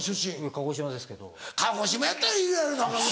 鹿児島やったらいるやろ長靴。